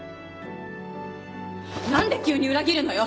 何で急に裏切るのよ！